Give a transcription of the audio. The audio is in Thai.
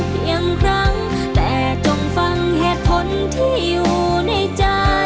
เพียงครั้งแต่จงฟังเหตุผลที่อยู่ในใจ